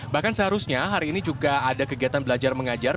bahkan seharusnya hari ini juga ada kegiatan belajar mengajar